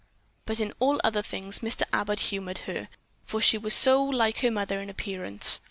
But in all other things, Mr. Abbott humored her, for she was so like her mother in appearance.